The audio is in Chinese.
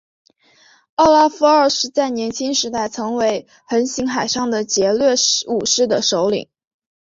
奥拉夫二世在年轻时代曾为横行海上的劫掠武士的首领。